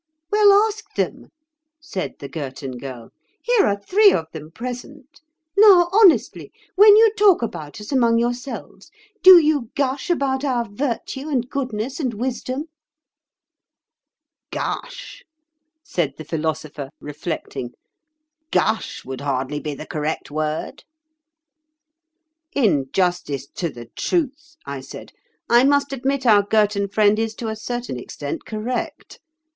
"Well, ask them," said the Girton Girl. "Here are three of them present. Now, honestly, when you talk about us among yourselves, do you gush about our virtue, and goodness, and wisdom?" "'Gush,'" said the Philosopher, reflecting, "'gush' would hardly be the correct word." "In justice to the truth," I said, "I must admit our Girton friend is to a certain extent correct.